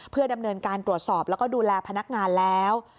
เพื่อดำเนินการตรวจสอบแล้วก็ดูแลพนักงานแล้ว